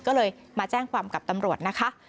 ก็เลยมาแจ้งความกับตำรวจนะคะ